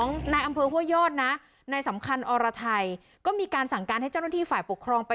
มีประชาชนในพื้นที่เขาถ่ายคลิปเอาไว้ได้ค่ะ